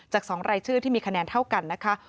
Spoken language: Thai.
จากสองรายชื่อที่มีคะแนนเท่ากัน